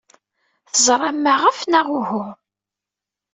Teẓram maɣef, neɣ uhu?